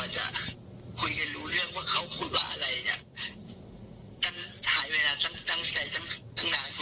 เดี๋ยวเขาต้องรอ